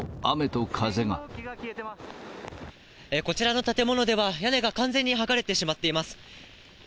こちらの建物では、屋根が完全に剥がれてしまっています。